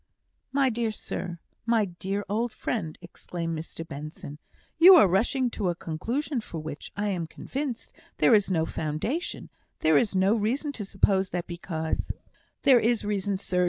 "My dear sir my dear old friend!" exclaimed Mr Benson, "you are rushing to a conclusion for which, I am convinced, there is no foundation; there is no reason to suppose that because " "There is reason, sir.